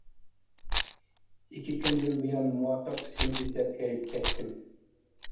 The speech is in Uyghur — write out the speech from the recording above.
ئىككى كۈندىن بۇيان مۇۋاپىق ئىسىم ئىزدەپ ھېرىپ كەتتىم.